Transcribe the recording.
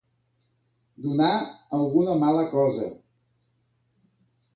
Donar alguna mala cosa.